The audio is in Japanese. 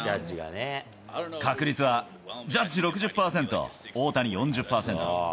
確率はジャッジ６０％、大谷４０％。